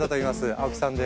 青木さんで。